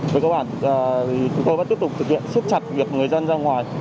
với cơ bản thì chúng tôi vẫn tiếp tục thực hiện siết chặt việc người dân ra ngoài